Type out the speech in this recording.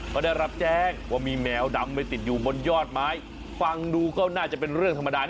ก็ได้รับแจ้งว่ามีแมวดำไปติดอยู่บนยอดไม้ฟังดูก็น่าจะเป็นเรื่องธรรมดา